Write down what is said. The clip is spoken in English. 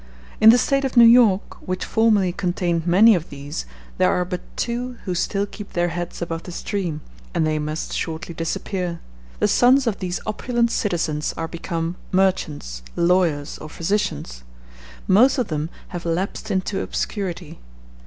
In the State of New York, which formerly contained many of these, there are but two who still keep their heads above the stream, and they must shortly disappear. The sons of these opulent citizens are become merchants, lawyers, or physicians. Most of them have lapsed into obscurity.